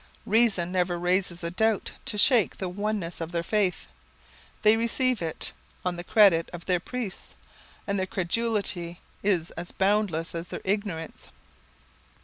Reason never raises a doubt to shake the oneness of their faith. They receive it on the credit of their priests, and their credulity is as boundless as their ignorance.